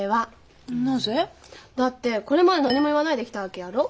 なぜ？だってこれまで何も言わないで来たわけやろ。